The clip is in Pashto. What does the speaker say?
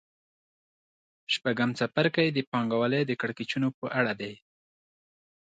شپږم څپرکی د پانګوالۍ د کړکېچونو په اړه دی